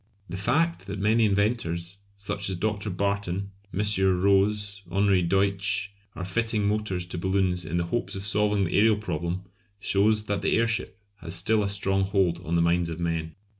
The fact that many inventors, such as Dr. Barton, M. Roze, Henri Deutsch, are fitting motors to balloons in the hopes of solving the aërial problem shows that the airship has still a strong hold on the minds of men.